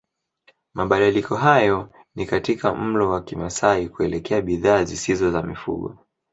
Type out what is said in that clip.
Mabadiliko hayo ni katika mlo wa Kimasai kuelekea bidhaa zisizo za mifugo